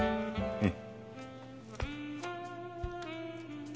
うん。